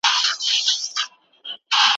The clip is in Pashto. خپله مسوده د کتني لپاره استاد ته ورکړه.